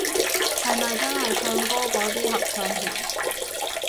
係咪真係唱歌嗰啲合唱團